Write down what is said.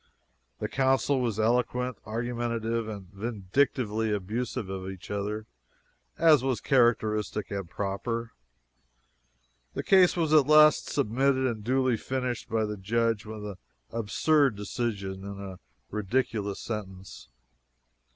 The counsel were eloquent, argumentative, and vindictively abusive of each other, as was characteristic and proper. The case was at last submitted and duly finished by the judge with an absurd decision and a ridiculous sentence.